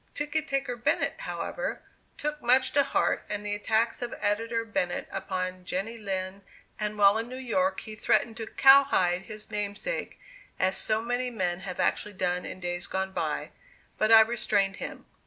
Ticket taker Bennett, however, took much to heart the attacks of Editor Bennett upon Jenny Lind, and while in New York he threatened to cowhide his namesake, as so many men have actually done in days gone by, but I restrained him.